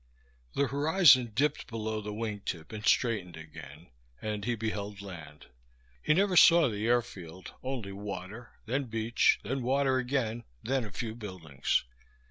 The horizon dipped below the wingtip and straightened again, and he beheld land. He never saw the airfield, only water, then beach, then water again, then a few buildings.